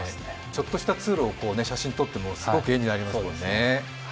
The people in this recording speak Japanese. ちょっとした通路を写真撮ってもすごく絵になりますよね。